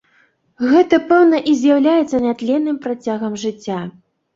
Гэта, пэўна, і з'яўляецца нятленным працягам жыцця.